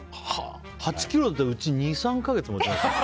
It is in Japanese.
８ｋｇだったらうち、２３か月持ちますよ。